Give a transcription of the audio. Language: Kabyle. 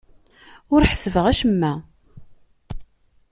Ur ḥessbeɣ acemma.